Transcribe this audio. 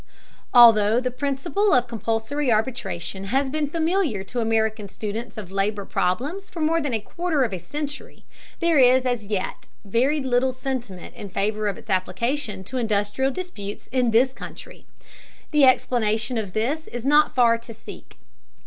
Although the principle of compulsory arbitration has been familiar to American students of labor problems for more than a quarter of a century, there is as yet very little sentiment in favor of its application to industrial disputes in this country. The explanation of this is not far to seek.